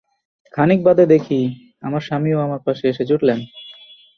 খানিক বাদে দেখি আমার স্বামীও আমার পাশে এসে জুটলেন।